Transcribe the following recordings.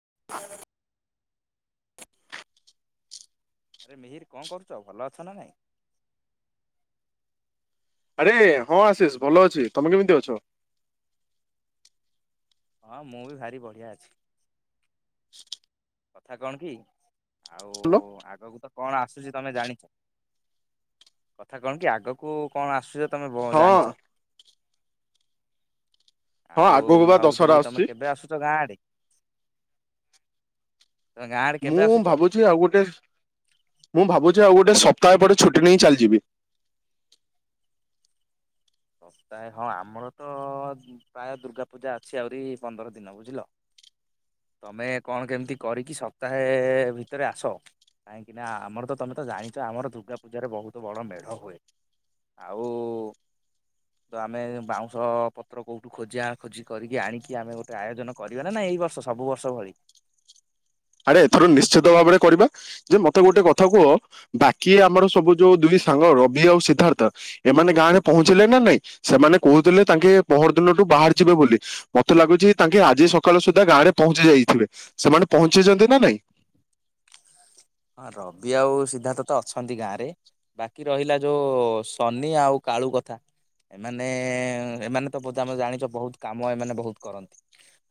[inaudible] ଆରେ ମିହିର କଣ କରୁଛ ଭଲ ଅଛ ନା ନାଇଁ। ଆରେ ହଁ ଆଶିଷ ଭଲ ଅଛି ତମେ କେମିତି ଅଛ। ହଁ ମୁଁ ବି ଭାରି ବଢିଆ ଅଛି। [inaudible] କଥା କଣ କି? ଆଉ ଭଲ। ଆଗକୁ କଣ ଆସୁଛି ତମେ ଜାଣିଛ କଥା କଣ କି ଆଗକୁ କଣ ଆସୁଛ ତମେ ବ ହଁ ଜାଣିଛ। ହଁ ଆଉ ଆଗକୁ ମୁଁ ବା ଦଶହରା ଭାବୁଥିଲି କି ତମେ ଆସୁଛି କେବେ ଆସୁଛ ଗାଁ ଆଡେ। ତମେ ଗାଁ ଆଡେ କେବେ ମୁଁ ଆସୁଛ? ଭାବୁଛି ଆଉ ଗୋଟେ ମୁଁ ଭାବୁଛି ଆଉ ଗୋ ଗୋଟେ ସପ୍ତାହ ପରେ ଛୁଟି ନେଇ ଚାଲିଯିବି। ସପ୍ତାହେ ହଁ ଆମର ତ ପ୍ରାୟ ଦୁର୍ଗା ପୂଜା ଅଛି ଆହୁରି ପନ୍ଦର ଦିନ ବୁଝିଲ ତମେ କଣ କେମିତି କରିକି ସପ୍ତାହେ ଭିତରେ ଆସ କାହିଁକିନା ଆମର ତ ତମେ ତ ଜାଣିଛ ଆମର ଦୁର୍ଗା ପୂଜାରେ ବହୁତ ବଡ଼ ମେଢ ହୁଏ ଆଉ। ତ ଆମେ ବାଉଁଶ ପତ୍ର କୋଉଠୁ ଖୋଜିିବା ଖୋଜି କରିକି ଆଣିକି ଆମେ ଗୋଟେ ଆୟୋଜନ କରିବା ନା ନା ଏଇ ବର୍ଷ ସବୁ ବର୍ଷ ଭଳି। ଆରେ ଏଥର ନିଶ୍ଚିତ ଭାବରେ କରିବା ଯେ ମତେ ଗୋଟେ କଥା କୁହ ବାକି ଆମର ସବୁ ଯୋଉ ଦୁଇ ସାଙ୍ଗ ରବି ଆଉ ସିଦ୍ଧାର୍ଥ ଏମାନେ ଗାଁ ରେ ପହଞ୍ଚିଲେ ନା ନାଇଁ ସେମାନେ କହୁଥିଲେ ତାଙ୍କେ ପହର ଦିନଠୁ ବାହାରି ଯିବେ ବୋଲି ମତେ ଲାଗୁଛି ତାଙ୍କେ ଆଜି ସକାଳ ସୁଦ୍ଧା ଗାଁରେ ପହଞ୍ଚି ଯାଇଥିବେ ସେମାନେ ପହ ଛନ୍ତି ନା ନାଇଁ। ହଁ ରବି ଆଉ ସିଦ୍ଧାର୍ଥ ତ ଅଛନ୍ତି ଗାଁରେ ବାକି ରହିଲା ଯେଉଁ ସନି ଆଉ କାଳୁ କଥା ଏମାନେ ଏମାନେ ତ ଆମ ଜାଣିଛ ବହୁତ କାମ ଏମାନେ ବହୁତ କରନ୍ତି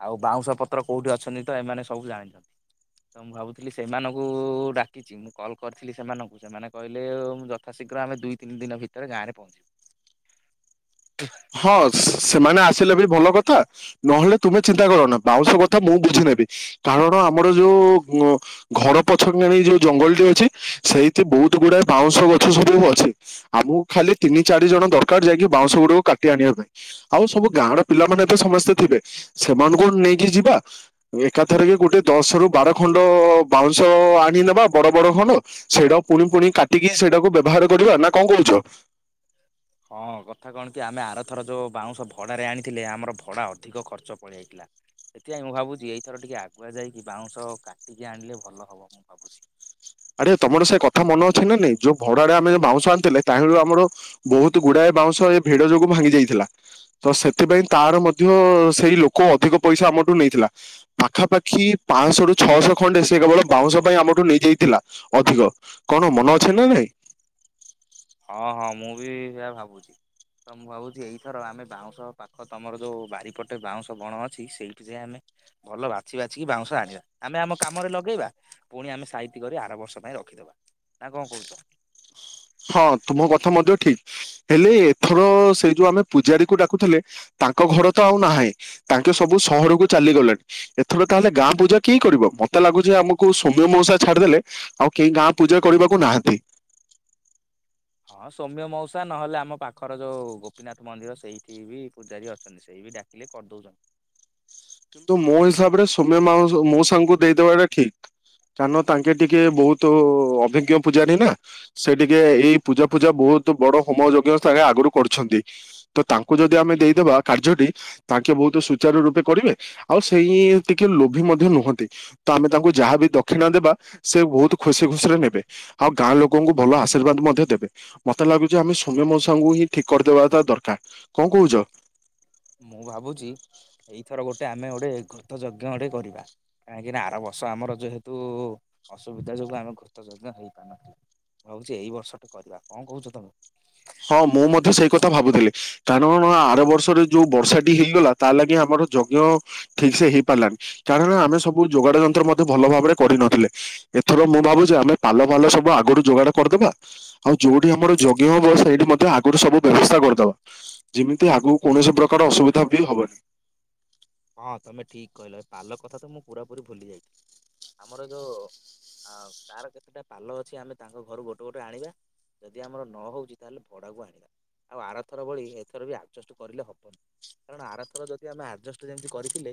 ଆଉ ବାଉଁଶ ପତ୍ର କେଉଠି ଅଛନ୍ତି ତ ଏମାନେ ସବୁ ଜାଣିଛନ୍ତି ତ ମୁଁ ଭାବୁଥିଲି ସେମାନଙ୍କୁ ଡାକିଛି ମୁଁ କଲ୍ କରିଥିଲି ସେମାନଙ୍କୁ ସେମାନେ କହିଲେ ଯଥାଶୀଘ୍ର ଆମେ ଦୁଇ ତିନି ଦିନ ଭିତରେ ଗାଁରେ ପହଞ୍ଚିବୁ। ହଁ ସେମାନେ ଆ ଆସିଲ ବି ଭଲ କଥା ନହେଲେ ତୁମେ ଚିନ୍ତା କର ନା ବାଉଁଶ କଥା ମୁଁ ବୁଝି ନେବି କାରଣ ଆମର ଯୋଉ ଘର ପଛ କିଣି ଯୋଉ ଜଙ୍ଗଲ ଟି ଅଛି ସେଇଠି ବହୁତ ଗୁଡା ବାଉଁଶ ଗଛ ସବୁ ଅଛି ଆମକୁ ଖାଲି ତିନି ଚାରି ଜଣ ଦରକାର ଯାଇକି ବାଉଁଶ ଗୁଡକୁ କାଟି ଆଣିବା ପାଇଁ ଆଉ ସବୁ ଗାଁ ର ପିଲାମାନେ ଏବେ ସମସ୍ତେ ଥିବେ ସେମାନଙ୍କୁ ନେଇକି ଯିବା ଏକାଥର କି ଗୋଟେ ଦଶ ରୁ ବାର ଖଣ୍ଡ ବାଉଁଶ ଆଣି ନେବା ବଡ ବଡ ଖଣ୍ଡ ସେଇଟା ପୁଣି ପୁଣି କାଟିକି ସେଇଟାକୁ ବ୍ୟବହାର କରିବା ନା କଣ କହୁଛ। ହଁ କଥା କଣ କି ଆମେ ଆରଥର ଯୋଉ ବାଉଁଶ ଭଡାରେ ଆଣିଥିଲେ ଆମର ଭଡା ଅଧିକ ଖର୍ଚ୍ଚ ପଳେଇ ଯାଇଥିଲା ସେଥିପାଇଁ ମୁଁ ଭାବୁଛି ଏଇଥର ଟିକେ ଆଗୁଆ ଯାଇକି ବାଉଁଶ କାଟିକି ଆଣିଲେ ଭଲ ହବ ମୁଁ ଭାବୁଛି। ଆରେ ତମର ସେ କଥା ମନ ଅଛି ନା ନାଇଁ ଯୋଉ ଭଡାରେ ଆମେଉ ବାଉଁଶ ଆଣିଥିଲେ ତାହ୍ନିରୁ ଆମର ବହୁତ ଗୁଡାଏ ବାଉଁଶ ଏ ଭେଡ ଯୋଗୁ ଭାଙ୍ଗି ଯାଇଥିଲା ତ ସେଥିପାଇଁ ତାର ମଧ୍ୟ ସେଇ ଲୋକ ଅଧିକ ପଇସା ଆମଠୁ ନେଇଥିଲା ପାଖାପାଖି ପାଞ୍ଚଶହ ରୁ ଛଅଶହ ଖଣ୍ଡେ ସେ କେବଳ ବାଉଁଶ ପାଇଁ ଆମଠୁ ନେଇଯାଇଥିଲା। ଅଧିକ କଣ ମନ ଅଛି ନା ନାଇଁ? ଆ ଭାବୁଛି ତ ମୁଁ ଭାବୁଛି ଏଇଥର ଆମେ ବାଉଁଶ ପାଖ ତମର ଯୋଉ ବାରିପଟେ ବାଉଁଶ ବଣ ଅଛି ସେଇଠି ଯାଇଏ ଆମେ ଭଲ ବାଛି ବାଛିକି ବାଉଁଶ ଆଣିବା ଆମେ ଆମ କାମରେ ଲଗେଇବା ପୁଣି ଆମେ ସାଇତି କରି ଆର ବର୍ଷ ପାଇଁ ରଖିଦବା ନା କଣ କହୁଛ। ହଁ ତୁମ କଥା ମଧ୍ୟ ଠିକ ହେଲେ ଏଥର ସେ ଯୋଉ ଆମେ ପୂଜାରୀ କ ଡାକୁଥିଲେ ତାଙ୍କ ଘର ତ ଆଉ ନାହିଁ ତାଙ୍କେ ସବୁ ସହରକୁ ଚାଲିଗଲେଣି ଏଥର ତାହେଲେ ଗାଁ ପୂଜା କେହି କରିବ ମତେ ଲାଗୁଛି ଆମକୁ ସୌମ୍ୟ ମଉସା ଛାଡିଦେଲେ ଆଉ କେହି ଗାଁ ପୂଜା କରିବାକୁ ନାହାନ୍ତି। ବର୍ଷା ନହେଲେ ଆମ ପାଖର ଯୋଉ ଗୋପୀନାଥ ମନ୍ଦିର ସେଇଠି ବି ପୂଜାରୀ ଅଛନ୍ତି ସେଇ ବି ଡାକିଲେ କରିଦଉଛନ୍ତି। କିନ୍ତୁ ମୋ ହିସାବ ରେ ସୋମ୍ୟ ମୋ ସାଙ୍ଗ ଦେଇଦବାଟା ଠିକ କାରଣ ତାଙ୍କେ ଟିକେ ବହୁତ ଅଭିଜ୍ଞ ପୂଜାନି ନା ସେ ଟିକେ ଏଇ ପୂଜା ପୂଜା ବହୁତ ବଡ ହୋମ ଯଜ୍ଞ ସାଙ୍ଗେ ଆଗରୁ କରୁଛନ୍ତି ତ ତାଙ୍କୁ ଯଦି ଆମେ ଦେଇଦବା କାର୍ଯ୍ୟଟି ତାଙ୍କେ ବହୁତ ସୁଚାରୁ ରୂପେ କରିବେ ଆଉ ସେଇ ଟିକେ ଲୋଭି ମଧ୍ୟ ନୁହନ୍ତି ତ ଆମେ ତାଙ୍କୁ ଯାହା ବି ଦକ୍ଷିଣା ଦେବା ସେ ବହୁତ ଖୁସି ଖୁସିରେ ନେବେ ଆଉ ଗାଁ ଲୋକଙ୍କୁ ଭଲ ଆଶୀର୍ବାଦ ମଧ୍ୟ ଦେବେ ମତେ ଲାଗୁଛି ଆମେ ସୌମ୍ୟ ମଷାଙ୍କୁ ହିଁ ଠିକ କରିଦବାଟା ଦରକାର କଣ କହୁଛ? ମୁଁ ଭାବୁଛି ଏଇଥର ଗୋଟେ ଆମେ ଗୋଟେ ଘୃତ ଯଜ୍ଞ ଗୋଟେ କରିବା କାହିଁକି ନା ଆର ବର୍ଷ ଆମର ଯେହେତୁ ଅସୁବିଧା ଯୋଗୁ ଆମେ ଘୃତ ଯଜ୍ଞ ହେଇପାରୁନାହାନ୍ତି ମୁଁ ଭାବୁଛି ଏଇ ବର୍ଷଟେ କରିବା କଣ କହୁଛ ତମେ? ହଁ ମୁଁ ମଧ୍ୟ ସେଇ କଥା ଭାବୁଥିଲି କାରଣ ଆର ବର୍ଷରେ ଯୋଉ ବର୍ଷାଟି ହେଇଗଲା ତା ଲାଗି ଆମର ଯଜ୍ଞ ଠିକ ସେ ହେଇପାରିଲାନି କାରଣ ଆମେ ସବୁ ଯୋଗାଡ ଯନ୍ତ୍ର ମଧ୍ୟ ଭଲ ଭାବରେ କରିନଥିଲେ ଏଥର ମୁଁ ଭାବୁଛି ଆମେ ପାଲ ଫାଲ ସବୁ ଆଗରୁ ଯୋଗାଡ କରିଦେବା ଆଉ ଯୋଉଠି ଆମର ଯଜ୍ଞ ସେଇ ମଧ୍ୟ ଆଗରୁ ସବୁ ବ୍ୟବସ୍ଥା କରିଦବା ଯେମିତି ଆଗକୁ କୌଣସି ପ୍ରକାର ଅସୁବିଧା ବି ହବନି। ହଁ ତମେ ଠିକ୍ କହିଲ ଏ ପାଲ କଥା ତ ମୁଁ ପୁରାପୁୀ ଭୁଲି ଯାଇଥିଲି ଆମର ଯୋଉ ତାର କେତେଟା ପାଲ ଅଛି ଆମେ ତାଙ୍କ ଘରୁ ଗୋଟେ ଗୋଟେ ଆଣିବା ଯଦି ଆମର ନହଉଛି ତାହେଲେ ଭଡାକୁ ଆଣିବା ଆଉ ଆରଥର ଭଳି ଏଥର ବି ଆଡ଼ଜଷ୍ଟ କରିଲେ ହବନି କାରଣ ଆରଥର ଯଦି ଆମେ ଆଡ଼ଜଷ୍ଟ ଯେମତି କରିଥିଲେ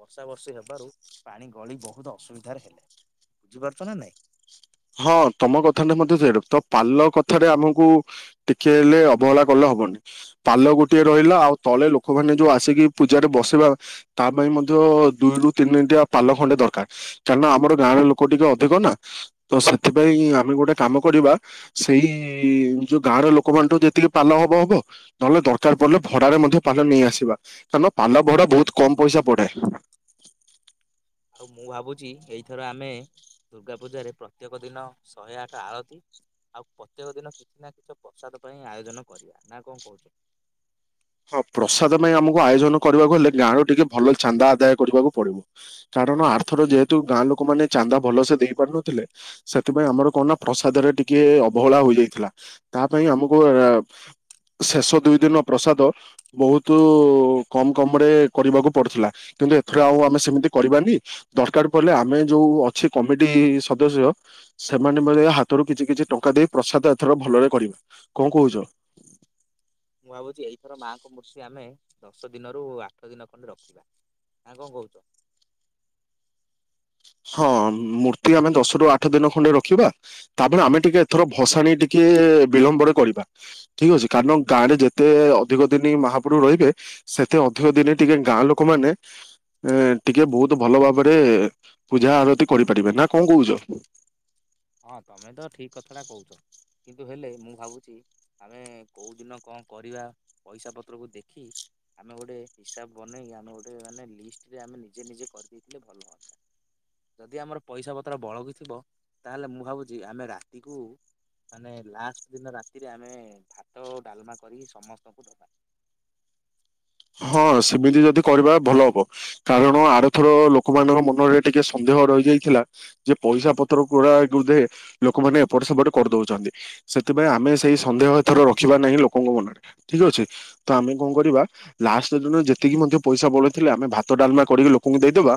ବର୍ଷା ବର୍ଷେ ହେବାରୁ ପାଣି ଗଳି ବହୁତ ଅସୁବିଧାରେ ହେଲେ ବୁଝିପାରୁଛ ନା ନାଇଁ? ହଁ ତମ କଥାଟା ମଧ୍ୟ ସେଇ ତ ପାଲ କଥାରେ ଆମକୁ ଟିକେ ହେଲେ ଅବହେଳା କଲେ ହବନି ପାଲ ଗୋଟି ରହିଲା ଆଉ ତଳେ ଲୋକମାନେ ଯୋଉ ଆସିକି ପୂଜାରେ ବସିବା ତା ପାଇଁ ମଧ୍ୟ ଦୁଇ ରରୁ ତିନି ଦଟା ପାଲ ଖଣ୍ଡେ ଦରକାର କାହିଁକି ନା ଆମ ଗାଁରେ ଲୋକ ଟିକେ ଅଧିକ ନା। ତ ସେଥିପାଇଁ ଆମେ ଗୋଟେ କାମ କରିବା ସେଇ ଯୋଉ ଗାଁର ଲୋକମାନଠୁ ଯେତିକି ପାଲ ହବ ହବ ନହେଲେ ଦରକାର ପଡିଲେ ଭଡାରେ ମଧ୍ୟ ପାଲ ନେଇଆସିବା କାରଣ ପାଲ ଭଡା ବହୁତ କମ ପଇସା ପଡେ। ଆଉ ମୁଁ ଭାବୁଛି ଏଇଥର ଆମେ ଦୁର୍ଗା ପୂଜାରେ ପ୍ରତ୍ୟେକ ଦିନ ଶହେ ଆଠ ଆଳତିୀ ଆଉ ପ୍ରତ୍ୟେକ ଦିନ କିଛି ନା କିଛି ପ୍ରସାଦ ପାଇଁ ଆୟୋଜନ କରିବା ନା କଣ କହୁଛ? ହଁ ପ୍ରସାଦ ପାଇଁ ଆମକୁ ଆୟୋଜନ କରିବାକୁ ହେଲେ ଗାଁ ର ଟିକେ ଭଲ ଚାନ୍ଦା ଆଦାୟ କରିବାକୁ ପଡିବ କାରଣ ଆର୍ଥର ଯେହେତୁ ଗାଁ ଲୋକ ମାନ ଚାନ୍ଦା ଭଲ ସେେ ଦେଇ ପାରୁନଥିଲେ ସେଥିପାଇଁ ଆମର କଣ ନା ପ୍ରସାଦରେ ଟିକେ ଅବହେଳା ହୋଇଯାଇଥିଲା ତା ପାଇଁ ଆମକୁ ଶେଷ ଦୁଇ ଦିନ ପ୍ରସାଦ ବହୁତ କମ କମ ରେ କରିବାକୁ ପଡୁଥିଲା କିନ୍ତୁ ଏଥର ଆଉ ଆମେ ସେମିତି କରିବାନି ଦରକାର ପଡ଼ିଲେ ଆମେ ଯୋଉ ଅଛି କମିଟି ସଦସ୍ୟ ସେମାନେ ହାତରୁ କିଛି କିଛି ଟଙ୍କା ଦେଇ ପ୍ରସାଦ ଏଥର ଭଲରେ କରିବା କଣ କହୁଛ? ମୁଁ ଭାବୁଛି ଏଇଥର ମାଙ୍କ ମୂର୍ତ୍ତି ଆମେ ଦଶ ଦିନରୁ ଆଠ ଦିନ ଖଣ୍ଡେ ରଖିବା ଆ କଣ କହୁଛ? ହଁ ମୂର୍ତ୍ତି ଆମେ ଦଶ ରୁ ଆଠ ଦିନ ଖଣ୍ଡେ ରଖିବା ତାପରେ ଆମେ ଟିକେ ଏଥର ଭସାଣି ଟିକେ ବିଳମ୍ବରେ କରିବା ଠିକ ଅଛି କାରଣ ଗାଁ ରେ ଯେତେ ଅଧିକ ଦିନ ମହାପ୍ରଭୁ ରହିବେ ସେତେ ଅଧିକ ଦିନ ଟିକେ ଗାଁ ଲୋକ ମାନେ ଏ ଟିକେ ବହୁତ ଭଲ ଭାବରେ ପୂଜା ଆରତି କରିପାରିବେ ନା କଣ କହୁଛ? ହଁ ତମେ ତ ଠିକ କଥାଟା କହୁଛ କିନ୍ତୁ ହେଲେ ମୁଁ ଭାବୁଛି ଆମେ କଉଦିନ କଣ କରିବା ପଇସା ପତ୍ରକୁ ଦେଖି ଆମେ ଗୋଟେ ହିସାବ ବନେଇ ଆମେ ଗୋଟେ ମାନେ ଲିଷ୍ଟରେ ଆମେ ନିଜେ ନିଜେ କରିଦେଇଥିଲେ ଭଲ ହୁଅନ୍ତା ଯଦି ଆମର ପଇସା ପତ୍ର ବଳକିଥିବ ତାହେଲେ ମୁଁ ଭାବୁଛି ଆମେ ରାତିକୁ ମାନେ ଲାଷ୍ଟ ଦିନ ରାତିରେ ଆମେ ଭାତ ଡାଲମା କରିକି ସମସ୍ତଙ୍କୁ ଦବା ହଁ ସେମିତି ଯଦି କରିବା ଭଲ ହବ କାରଣ ଆରଥର ଲୋକମାନଙ୍କ ମନରେ ଟିକେ ସନ୍ଦେହ ରହିଯାଇଥିଲା ଯେ ପଇସା ପତର ଗଡାଧେ ଲୋକମାନେ ଏପଟେ ସେପଟେ କରିଦଉଛନ୍ତି ସେଥିପାଇଁ ଆମେ ସେଇ ସନ୍ଦେହ ଏଥର ରଖିବା ନାହିଁ ଲୋକଙ୍କ ମନରେ ଠିକ ଅଛି ତ ଆମେ କଣ କରିବା ଲାଷ୍ଟ ଦିନ ଯେତିକି ମଧ୍ୟ ପଇସା ବଳେଇଥିଲେ ଆମେ ଭାତ ଡାଲମା କରିକି ଲୋକଙ୍କୁ ଦେଇଦବା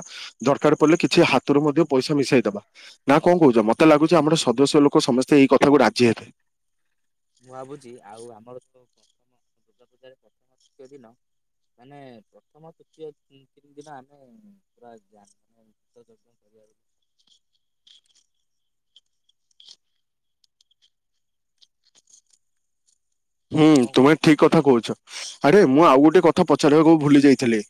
ଦରକାର ପଡ଼ିଲେ କିଛି ହାତରୁ ମଧ୍ୟ ପଇସା ମିଶାଇଦବା ନା କଣ କହୁଛ ମତେ ଲାଗୁଛି ଆମର ସଦସ୍ୟ ଲୋକ ସମସ୍ତେ ଏଇ କଥାକୁ ରାଜି ହେଇଥାଏ। ମୁଁ ଭାବୁଛି ଆଉ ଆମର ଯୋଉ ପ୍ରଥମ ଦୁର୍ଗା ପୂଜାରେ ପ୍ରଥମ ତୃତୀୟ ଦିନ ମାନେ ପ୍ରଥମ ତୃତୀୟ ତିନି ଦିନ ଆମେ ପୁରା ମାନେ ଗୀତ। [unintelligible] ହୁଁ ନା କଣ କହୁଚୁ? ତୁମେ ଠିକ କଥା କହୁଛ। ଆରେ ମୁଁ ଆଉ ଗୋଟେ କଥା ପଚାରିବାକୁ ଭୁଲି ଯାଇଥିଲି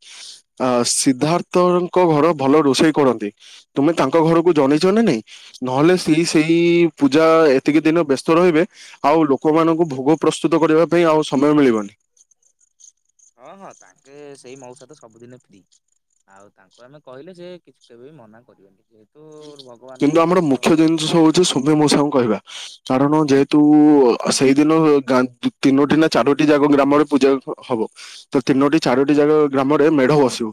ଆ ସିଦ୍ଧାର୍ଥଙ୍କ ଘର ଭଲ ରୋଷେଇ କରନ୍ତି ତୁମେ ତାଙ୍କ ଘରକୁ ଜନେଇଛ ନା ନାଇଁ ନହେଲେ ସେ ସେଇ ପୂଜା ଏତିକି ଦିନ ବ୍ୟସ୍ତ ରହିବେ ଆଉ ଲୋକମାନଙ୍କୁ ଭୋଗ ପ୍ରସ୍ତୁତ କରିବା ପାଇଁ ଆଉ ସମୟ ମିଳିବନି। [inaudible] ହଁ ହଁ ତାଙ୍କେ ସେଇ ମଉସା ତ ସବୁଦିନେ ଫ୍ରି ଆଉ ତାଙ୍କୁ ଆମେ କହିଲେ ସେ କିଛି କେବେ ବି ମନା କରିବେନି ଯେ କିନ୍ତୁ ଆମର ମୁଖ୍ୟ ଜିନିଷ ହଉଛି ସୋମ୍ୟ ମୋଉଷା ଙ୍କୁ କହିବା କାରଣ ଯେହେତୁ ସେଇଦିନ ତିନୋଟି ନା ଚାରୋଟି ଜାଗା ଗ୍ରାମରେ ପୂଜା ହବ ତ ତିନୋଟି ଚାରୋଟି ଜାଗା ଗ୍ରାମରେ ମେଢ ବସିବ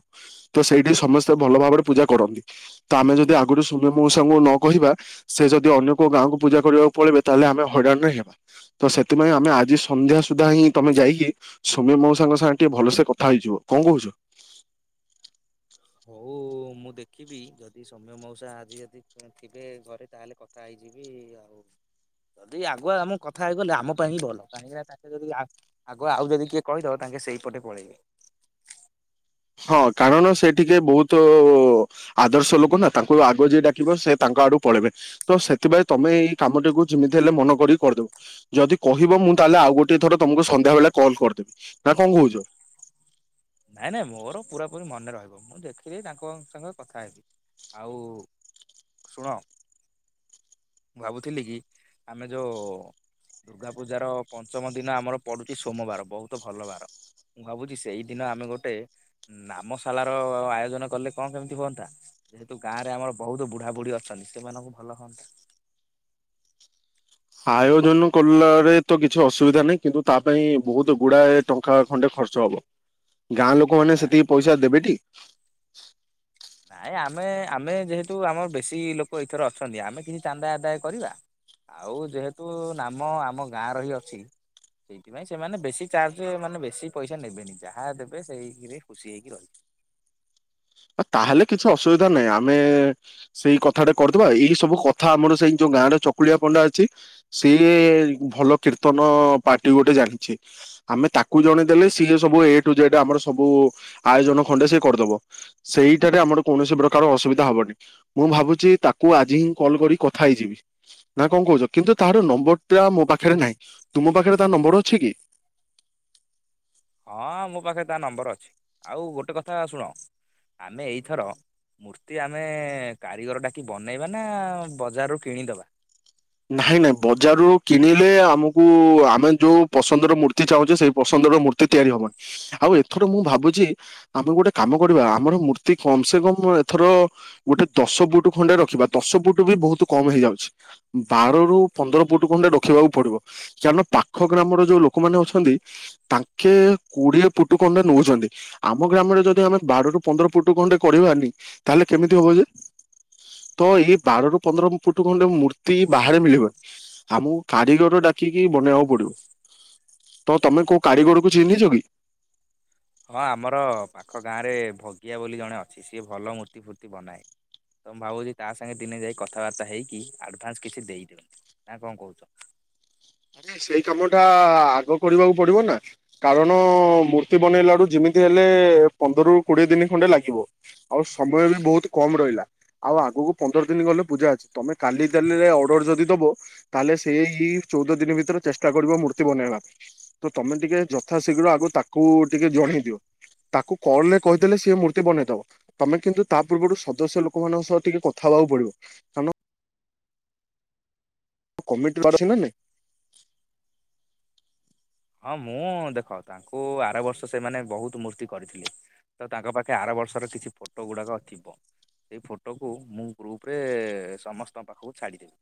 ତ ସେଇଠି ସମସ୍ତେ ଭଲ ଭାବରେ ପୂଜା କରନ୍ତି ତ ଆମେ ଯଦି ଆରୁ ସୋମ୍ୟ ମଉସାଙ୍କୁ ନ କହିବା ସେ ଯଦି ଅନ୍ୟ କୋଉ ଗାଁକୁ ପୂଜା କରିବାକୁ ପଳେଇିବବେ ତାହେଲେ ଆମେ ହଇରାଣରେ ହେବା ତ ସେଥିପାଇଁ ଆମେ ଆଜି ସନ୍ଧ୍ୟା ସୁଧା ହିଁ ତମେ ଯାଇକି ସୋମ୍ୟ ମଉସାଙ୍କ ସାଙ୍ଗେ ଟିକେ ଭଲସେ କଥା ହେଇଯିବ କଣ କହୁଛ? ହୋଉ ମୁଁ ଦେଖିବି ଯଦି ସୌମ୍ୟ ମଉସା ଆଜି ଯଦି ଥିବେ ଘରେ ତାହେଲେ କଥା ହେଇଯିବି ଆଉ। ଯଦି ଆଗୁଆ ଆମେ କଥା ହେଇଗଲେ ଆମ ପାଇଁ ହିଁ ଭଲ କାହିଁକିନା ତାଙ୍କେ ଯଦି ଆ ଆଗୁଆ ଆଉ ଯଦି କିଏ କହିଦବ ତାଙ୍କେ ସେଇପଟେ ପଳେଇବେ। ହଁ କାରଣ ସେ ଟିକେ ବୋହୁତୁ ଆଦର୍ଶ ଲୋକ ନା ତାଙ୍କୁ ଆଗ ଯିଏ ଡାକିବ ସେ ତାଙ୍କ ଆଡ଼ୁକୁ ପଳେଇବେ। ତ ସେଥିପାଇଁ ତମେ ଏଇ କାମଟିକୁ ଯେମିତି ହେଲେ ମନ କରିକି କରିଦବ। ଯଦି କହିବ ମୁଁ ତାହେଲେ ଆଉ ଗୋଟେ ଥର ତମକୁ ସନ୍ଧ୍ୟା ବେଳେ କଲ୍ କରିଦେବି। ନା କଣ କୋହୁଚ। ନା ନା ମୁଁ ମୋରୋ ପୂରାପୂରି ମନ୍ ନେ ରହିବ ମୁଁ ଦେଖିକି ତାଙ୍କ ସଙ୍ଗେ କଥା ହେବି। ଆଉ ଶୁଣ ମୁଁ ଭାବୁଥିଲି କି ଆମେ ଯୋଉ ଦୁର୍ଗା ପୂଜାର ପଞ୍ଚମ ଦିନ ଆମର ପଡ଼ୁଛି ସୋମବାର ବୋହୁତ ଭଲ ବାର ମୁଁ ଭାବୁଛି ସେଇ ଦିନ ଆମେ ଗୋଟେ ନାମଶାଳା ର ଆୟୋଜନ କଲେ କଣ କେମିତି ହୁଅନ୍ତା। ଯେହେତୁ ଗାଁ ରେ ଆମର ବୋହୁତୁ ବୁଢ଼ା ବୁଢ଼ୀ ଅଛନ୍ତି ସେମାନଙ୍କୁ ଭଲ ହଅନ୍ତା। ଆୟୋଜନ କଲାରେ ତ କିଛି ଅସୁବିଧା ନାହିଁ କିନ୍ତୁ ତା ପାଇଁ ବୋହୁତୁ ଗୁଡ଼ାଏ ଟଙ୍କା ଖଣ୍ଡେ ଖର୍ଚ୍ଚ ହବ। ଗାଁ ଲୋକମାନେ ନା ସେତିକି ପଇସା ଦେବେ ଟି। ନାଇଁ ମ ଆମେ ଆମେ ଯେହେତୁ ଆମର ବେଶୀ ଲୋକ ଏଇଥର ଅଛନ୍ତି ଆମେ କିଛି ଚାନ୍ଦା ଆଦାୟ କରିବା ଆଉ ଯେହେତୁ ନାମ ଆମ ଗାଁ ରହି ଅଛି ସେଇଥିପାଇଁ ସେମାନେ ବେଶୀ ଚାର୍ଜ ମାନେ ବେଶୀ ପଇସା ନେବେନି। ଯାହା ଦେବେ ସେଇଥିରେ ଖୁସି ହେଇକି ରହିବେ। [inaudible] ତାହେଲେ କିଛି ଅସୁବିଧା ନାଇ ଆମେ ସେଇ କଥାଟେ କରିଦବା ଏଇ ସବୁ କଥା ଆମର ସେଇ ଯୋଉ ଗାଁରେ ଚକୁଳିଆ ପଣ୍ଡା ଅଛି ସିଏ ଭଲ କୀର୍ତ୍ତନ ପାର୍ଟି ଗୋଟେ ଜାଣିଚି ଆମେ ତାକୁ ଜଣେଇଦେଲେ ସିଏ ସବୁ ଏ ଟୁ ଜେଡ଼୍ ଆମର ସବୁ ଆୟୋଜନ ଖଣ୍ଡେ ସେ କରିଦବ। ସେଇଟାରେ ଆମର କୌଣସି ପ୍ରକାର ଅସୁବିଧା ହବନି। ମୁଁ ଭାବୁଚି ତାକୁ ଆଜି ହିଁ କଲ୍ କରି କଥା ହେଇଯିବି। ନା କଣ କୋହୁଚ କିନ୍ତୁ ତାହାର ନମ୍ବର ଟା ମୋକ୍ ପାଖେରେ ନାଇଁ, ତୁମ ପାଖେରେ ତା ନମ୍ବର ଅଛି କି? ହଁ ମୋ ପାଖେ ତା ନମ୍ବର ଅଛି। ଆଉ ଗୋଟେ କଥା ଶୁଣ ଆମେ ଏଇଥର ମୂର୍ତ୍ତି ଆମେ କାରିଗର ଡ଼ାକି ବନେଇବା ନା ବଜାରରୁ କିଣିଦବା। ନାହିଁ ନା ବଜାରରୁ କିଣିଲେ ଆମୁକୁ ଆମେ ଯୋଉ ପସନ୍ଦର ମୂର୍ତ୍ତି ଚାହୁଁଚେ ସେଇ ପସନ୍ଦର ମୂର୍ତ୍ତି ତିଆରି ହବନି। ଆଉ ଏଥର ମୁଁ ଭାବୁଚି ଆମେ ଗୋଟେ କାମ କରିବା ଆମର ମୂର୍ତ୍ତି କମ୍ ସେ କମ୍ ଏଥର ଗୋଟେ ଦଶ ଫୁଟ୍ ଖଣ୍ଡେ ରଖିବା। ଦଶ ଫୁଟ୍ ବି ବୋହୁତୁ କମ୍ ହେଇଯାଉଚି। ବାର ରୁ ପନ୍ଦର ଫୁଟ୍ ଖଣ୍ଡେ ରଖିବାକୁ ପଡିବ ଚାରଣ ପାଖ ଗ୍ରାମର ଯୋଉ ଲୋକମାନେ ଅଛନ୍ତି, ତାଙ୍କେ କୋଡିଏ ଫୁଟୁ ଖଣ୍ଡେ ନୋଉଚନ୍ତି। ଆମ ଗ୍ରାମରେ ଯଦି ଆମେ ବାର ର ପନ୍ଦର ଫୁଟୁ ଖଣ୍ଡେ କରିବାନି ତାହେଲେ କେମିତି ହବ ଯେ। ତ ଏହି ବାରରୁ ପନ୍ଦର ଫୁଟୁ ଖଣ୍ଡେ ମୂତ୍ତ୍ ତି ବାହାରେ ମିଳିବନି। ଆମକୁ କାରିଗର ଡ଼ାକିକି ବନେଇବାକୁ ପଡ଼ିବ। ତ ତମେ କୋଉ କାରିଗରକୁ ଚିହ୍ନିଚ କି? ହଁ ଆମର ପାଖ ଗାଁରେ ଭଗିଆ ବୋଲି ଜଣେ ଅଛି ସିଏ ଭଲ ମୂର୍ତ୍ତି ଫୁର୍ତ୍ତି ବନାଏ। ତ ମୁଁ ଭାବୁଚି ତା ସାଙ୍ଗେ ଦିନେ ଯାଇ କଥାବାର୍ତ୍ତା ହେଇକି ଆଡ଼ଭାନ୍ସ କିଛି ଦେଇଦିଅନ୍ତି। ନା କଣ କୋହୁଚ? ଆରେ ସେଇ କାମ ଟା-ଆ-ଆ ଆଗ କରିବାକୁ ପଡ଼ିବ ନା କାରଣ-ଅ-ଅ-ଅ ମୂର୍ତ୍ତି ବନେଇଲାଡ଼ୁ ଯେମିତି ହେଲେ-ଏ-ଏ ପନ୍ଦରରୁ କୋଡ଼ିଏ ଦିନି ଖଣ୍ଡେ ଲାଗିବ। ଆଉ ସମୟ ବି ବୋହୁତ୍ କମ୍ ରହିଲା ଆଉ ଆଗକୁ ପନ୍ଦର ଦିନି ଗଲେ ପୂଜା ଅଛି। ତମେ କାଲି ଦେନିରେ ଅର୍ଡର ଯଦି ଦବ ତାହାଲେ ସେ-ଏ-ଇ ଚୋଉଦ ଦିନି ଭିତରେ ଚେଷ୍ଟା କରିବ ମୂର୍ତ୍ତି ବନେଇବା ପାଇଁ। ତ ତମେ ଟିକେ ଯଥା ଶୀଘ୍ର ଆଗେ ତାକୁ ଟିକେ ଜଣେଇ ଦିଅ। ତାକୁ କଲ୍ ରେ କହିଦେଲେ ସିଏ ମୂର୍ତ୍ତି ବନେଇଦବ। ତମେ କିନ୍ତୁ ତା ପୂର୍ବରୁ ସଦସ୍ୟ ଲୋକମାନଙ୍କ ସହ ଟିକେ କଥା ହବାକୁ ପଡ଼ିବ କାରଣ କମିଟି ଅଛି ନା ନାହିଁ। ହଁ ମୁଁ ଦେଖ ତାଙ୍କୁ ଆର ବର୍ଷ ସେମାନେ ବୋହୁତୁ ମୂର୍ତ୍ତି କରିଥିଲେ। ତ ତାଙ୍କ ପାଖେ ଆର ବର୍ଷର କିଛି ଫୋଟୋ ଗୁଡ଼ାକ ଥିବ ସେଇ ଫୋଟୋକୁ ମୁଁ ଗ୍ରୁପରେ ସମସ୍ତଙ୍କ ପାଖକୁ ଛାଡ଼ିଦେବି।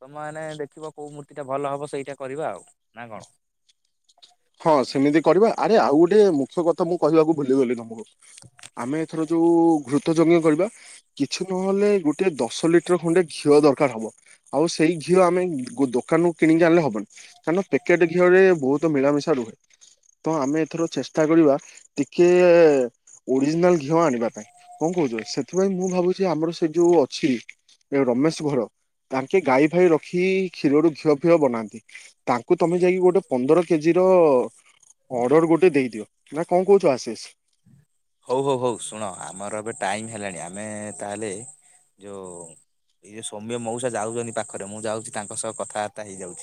ତମେ ମାନେ ଦେଖିବ କୋଉ ମୂର୍ତ୍ତିଟା ଭଲ ହବ ସେଇଟା କରିବା ଆଉ ନା କଣ? ହଁ ସେମିତି କରିବା। ଆରେ ଆଉ ଗୋଟେ ମୁଖ୍ୟ କଥା ମୁଁ କହିବାକୁ ଭୁଲିଗଲି ତମୁକୁ, ଆମେ ଏଥର ଯୋଉ-ଉ-ଉ ଘୃତ ଯଜ୍ଞ କରିବା କିଛି ନହେଲେ ଗୋଟେ ଦଶ ଲିଟର ଖଣ୍ଡେ ଘିଅ ଦରକାର ହବ। ଆଉ ସେଇ ଘିଅ ଆମେ ଦୋକାନରୁ କୋଉ କିଣିକି ଆଣିଲେ ହବନି କାରଣ ପ୍ୟାକେଟ ଘିଅରେ ବୋହୁତ ମିଳାମିଶା ଶା ରୁହେ, ତ ଆମେ ଏଥର ଚେଷ୍ଟା କରିବା ଟିକେ-ଏ-ଏ ଓଡରିଜିନାଲ ଘିଅ ଆଣିବା ପାଇଁ। କଣ କୋହୁଚ? ସେଥିପାଇଁ ମୁଁ ଭାବୁଚି ଆମର ସେ ଯୋଉ ଅଛି ରମେଶ ଘର ତାଙ୍କେ ଗାଈ ଫାଇ ରଖି କ୍ଷୀରରୁୁ ଘିଅ ଫିଅ ବନାନ୍ତି ତା ଙ୍କୁ ତମେ ଯାଇକି ଗୋଟେ ପନ୍ଦର କେଜ୍ ଅ ଅର୍ଡର ଗୋଟେ ଦେଇଦିଅ। ନା କଣ କୋହୁଚ ଆଶିଷ୍? ହୋଉ ହୋଉ ହୋଉ ଶୁଣ ଆମର ଏବେ ଟାଇମ୍ ହେଲାଣି ଆମେ ତାହେଲେ ଯୋଉ ଏଇ ଯୋଉ ସୋମ୍ୟ ମଉସା ଯାଉଚନ୍ତି ପାଖରେ ମୁଁ ଯାଉଚି ତାଙ୍କ ସହ କଥାବାର୍ତ୍ତା ହେଇଯାଉଚି।